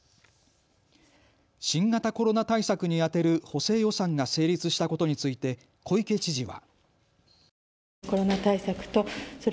新型コロナ対策に充てる補正予算が成立したことについて小池知事は。